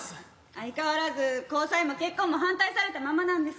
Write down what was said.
相変わらず交際も結婚も反対されたままなんです。